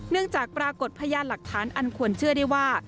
เนื่องจากปรากฏพะยาหลักฐานอันขวนเชื่อได้ว่า